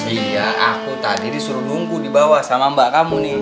iya aku tadi disuruh nunggu dibawa sama mbak kamu nih